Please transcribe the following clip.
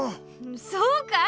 そうかい？